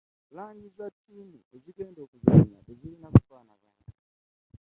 Langi za ttimu ezigenda okuzannya tezirina kufaanagana.